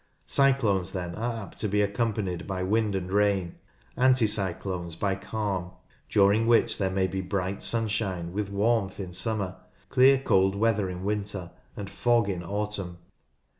Cyclones, then, are apt to be accompanied by wind and rain, anti cyclones by calm, during which there may be bright sunshine with warmth in summer, clear cold weather in winter, and fog in autumn.